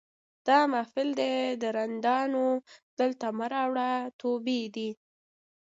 دا محفل دی د رندانو دلته مه راوړه توبې دي